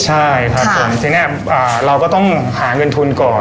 ใช่ที่นี้เราก็ต้องหาเงินทุนก่อน